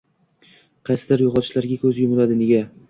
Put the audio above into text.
qaysidir yo‘qotishlarga ko‘z yumiladi. Nega?